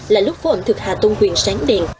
là lúc phố ẩm thực hà tôn quyền sáng đèn